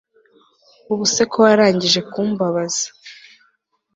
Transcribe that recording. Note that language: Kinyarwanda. ubuse ko warangije kumbabaza